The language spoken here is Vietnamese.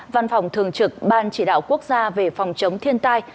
văn phòng thường trực ban chỉ đạo quốc gia về phòng chống thiên tai